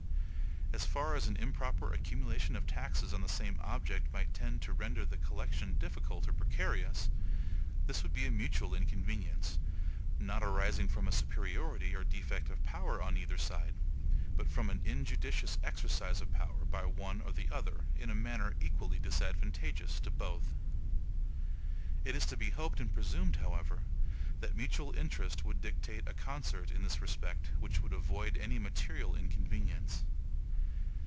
As far as an improper accumulation of taxes on the same object might tend to render the collection difficult or precarious, this would be a mutual inconvenience, not arising from a superiority or defect of power on either side, but from an injudicious exercise of power by one or the other, in a manner equally disadvantageous to both. It is to be hoped and presumed, however, that mutual interest would dictate a concert in this respect which would avoid any material inconvenience.